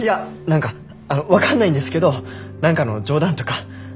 何かあの分かんないんですけど何かの冗談とか。